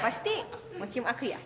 pasti mau cium aku ya